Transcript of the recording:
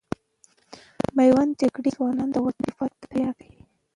میوند جګړې کې ځوانان د وطن دفاع ته تیار دي.